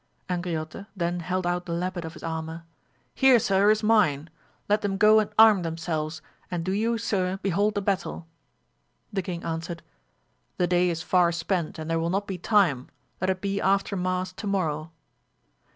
Angri ote then held out the lappet of his armour — Here AMADIS OF GAUL 141 sir is mine ! let them go arm themselves, and do you sir behold the battle. The king answered, The day is far spent and th(ire will not be time, let it be after mass to morrow.